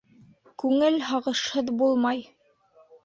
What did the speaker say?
Күңел һағышһыҙ булмай.